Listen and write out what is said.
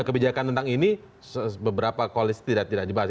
kebijakan tentang ini beberapa koalisi tidak dibahas